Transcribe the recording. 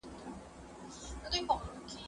زه له سهاره پوښتنه کوم!